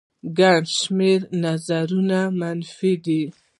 ګڼ شمېر نظرونه منفي دي